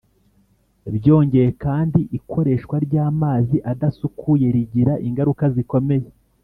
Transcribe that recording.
byongeye kandi ikoreshwa ry'amazi adasukuye rigira ingaruka zikomeye